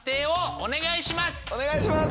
お願いします！